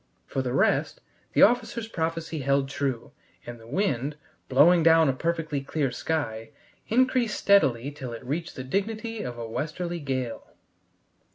For the rest, the officer's prophecy held true, and the wind, blowing down a perfectly clear sky, increased steadily till it reached the dignity of a westerly gale.